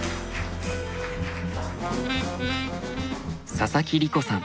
佐々木梨子さん